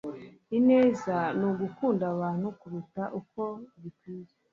ineza ni ugukunda abantu kuruta uko bikwiye